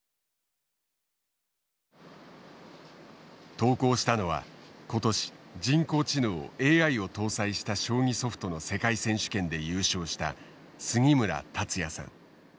投稿したのは今年人工知能ＡＩを搭載した将棋ソフトの世界選手権で優勝した杉村達也さん。